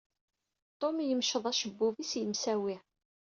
Tum yemceḍ ucebbub-is, yemsawi.